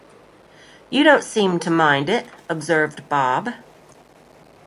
‘You don’t seem to mind it,’ observed Bob.